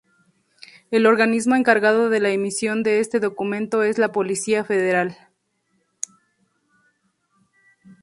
El organismo encargado de la emisión de este documento es la Policía Federal.